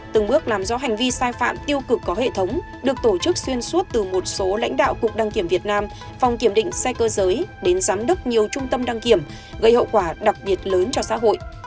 từng bước làm rõ hành vi sai phạm tiêu cực có hệ thống được tổ chức xuyên suốt từ một số lãnh đạo cục đăng kiểm việt nam phòng kiểm định sai cơ giới đến giám đốc nhiều trung tâm đăng kiểm gây hậu quả đặc biệt lớn cho xã hội